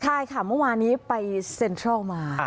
ใช่ค่ะเมื่อวานี้ไปเซ็นทรัลมา